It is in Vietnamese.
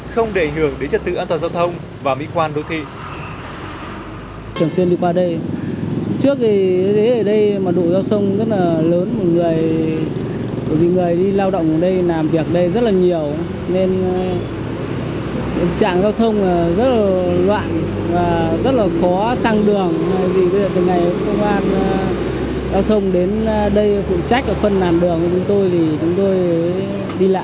không để hưởng đến trật tự an toàn giao thông và mỹ quan đô thị